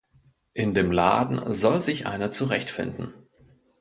In dem Laden soll sich einer zurechtfinden!